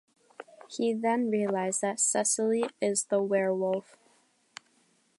He then realizes that Cecily is the werewolf.